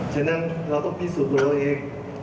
ฉะนั้นเราต้องพิสูจน์ตัวเราเอง